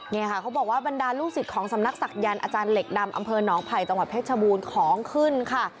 เนี่ยค่ะเขาบอกว่าบรรดาลูกศิษย์ของสำนักศักยันต์อาจารย์เหล็กดำอำเภอหนองไผ่จังหวัดเพชรบูรณ์ของขึ้นค่ะ